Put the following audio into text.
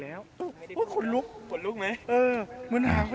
โอ้โฮขนลุกขนลุกไหม